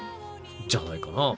じゃないかな。